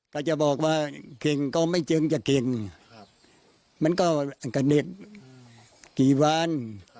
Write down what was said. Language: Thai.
ถ้าจะบอกว่าเก่งก็ไม่จริงจะเก่งมันก็กับเด็กกี่วัน